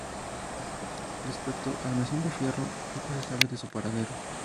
Respecto al "Mesón de Fierro", poco se sabe de su paradero.